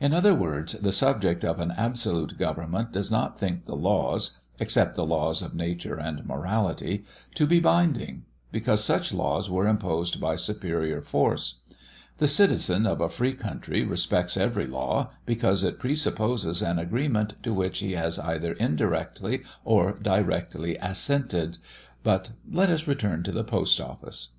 In other words: the subject of an absolute government does not think the laws except the laws of nature and morality to be binding, because such laws were imposed by superior force. The citizen of a free country respects every law, because it presupposes an agreement to which he has either indirectly or directly assented. But let us return to the Post office.